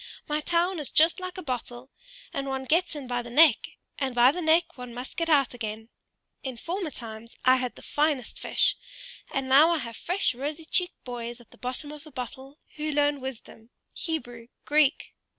My town is just like a bottle; and one gets in by the neck, and by the neck one must get out again! In former times I had the finest fish, and now I have fresh rosy cheeked boys at the bottom of the bottle, who learn wisdom, Hebrew, Greek Croak!"